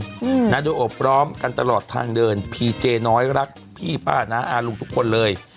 อืมนะโดยโอบพร้อมกันตลอดทางเดินพีเจน้อยรักพี่ป้าน้าอาลุงทุกคนเลย